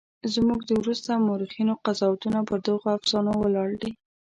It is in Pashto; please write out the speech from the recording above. زموږ د وروسته مورخینو قضاوتونه پر دغو افسانو ولاړ دي.